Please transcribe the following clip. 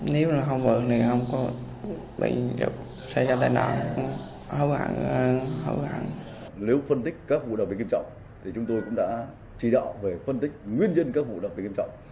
nếu phân tích các vụ tài nạn giao thông nghiêm trọng thì chúng tôi cũng đã chỉ đạo về phân tích nguyên nhân các vụ tài nạn giao thông nghiêm trọng